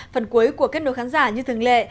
phần cuối của kết nối khán giả như thường lệ